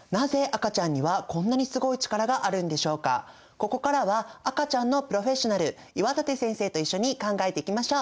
ここからは赤ちゃんのプロフェッショナル岩立先生と一緒に考えていきましょう。